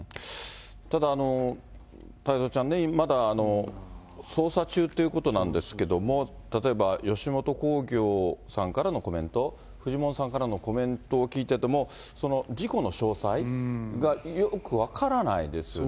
ただ、太蔵ちゃんね、まだ、捜査中っていうことなんですけども、例えば吉本興業さんからのコメント、フジモンさんからのコメントを聞いてても、事故の詳細がよく分からないですよね。